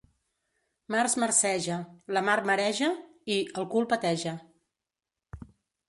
Març marceja; la mar mareja, i, el cul peteja.